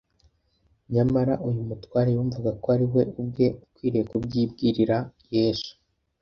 ; nyamara uyu mutware yumvaga ko ari we ubwe ukwiriye kubyibwirira Yesu